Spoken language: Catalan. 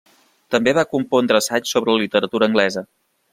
També va compondre assaigs sobre literatura anglesa.